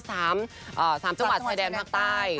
สามจังหวัดสายแดนทางใต้